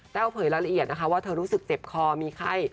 เผยรายละเอียดนะคะว่าเธอรู้สึกเจ็บคอมีไข้